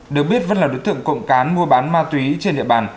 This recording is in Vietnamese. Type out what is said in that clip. được biết vân là đối tượng cộng cán mua bán ma túy trên địa bàn